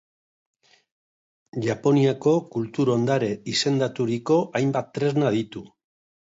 Japoniako Kultur ondare izendaturiko hainbat tresna ditu.